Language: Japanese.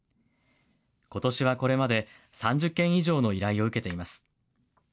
ことしは、これまで３０件以上の依頼を受けています。